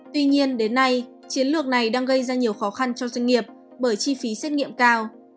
tuy nhiên đến nay chiến lược này đang gây ra nhiều khó khăn cho doanh nghiệp bởi chi phí xét nghiệm cao